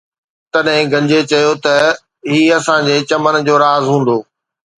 تڏهن گنچي چيو ته هي اسان جي چمن جو راز هوندو